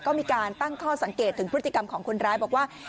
ก็มีการตั้งข้อสังเกตถึงพฤติกรรมของคนร้ายบอกว่า